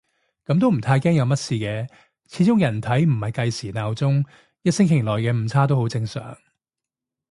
噉都唔太驚有乜事嘅，始終人體唔係計時鬧鐘，一星期內嘅誤差都好正常